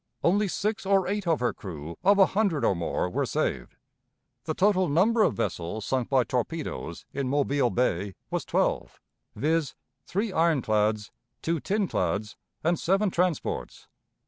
Only six or eight of her crew of a hundred or more were saved. The total number of vessels sunk by torpedoes in Mobile Bay was twelve, viz., three ironclads, two tinclads, and seven transports.